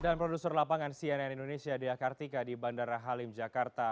produser lapangan cnn indonesia dea kartika di bandara halim jakarta